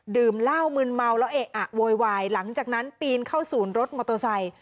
ดื่มเหล้ามืนเมาแล้วเอะอะโวยวายหลังจากนั้นปีนเข้าศูนย์รถมอเตอร์ไซค์